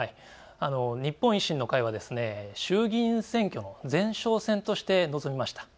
日本維新の会は衆議院選挙の前哨戦として臨みました。